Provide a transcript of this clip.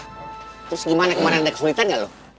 terus gimana kemarin ada kesulitan gak lo